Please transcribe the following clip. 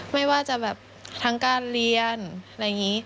ไม่ว่าจะแบบทั้งการเรียนอะไรอย่างนี้